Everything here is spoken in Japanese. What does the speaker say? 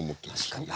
確かに。